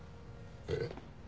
えっ？